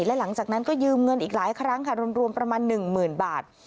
และหลังจากนั้นก็ยืมเงินอีกหลายครั้งค่ะรวมประมาณ๑๐๐๐บาท